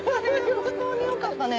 本当によかったね。